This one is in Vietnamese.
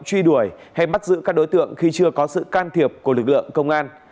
truy đuổi hay bắt giữ các đối tượng khi chưa có sự can thiệp của lực lượng công an